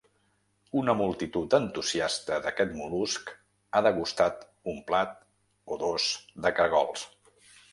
Una multitud entusiasta d’aquest mol·lusc ha degustat un plat, o dos, de caragols.